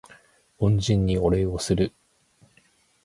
恩人にお礼をする